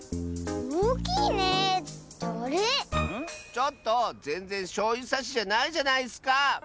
ちょっとぜんぜんしょうゆさしじゃないじゃないッスか！